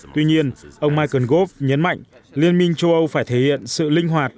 tuy nhiên ông michael gove nhấn mạnh liên minh châu âu phải thể hiện sự linh hoạt